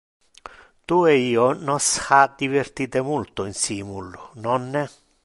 Tu e io nos ha divertite multo insimul, nonne?